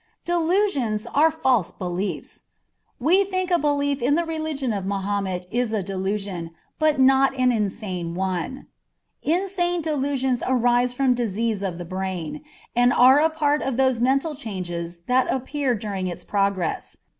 Delusions are false beliefs. We think a belief in the religion of Mahomet is a delusion, but not an insane one. Insane delusions arise from disease of the brain, and are a part of those mental changes that appear during its progress.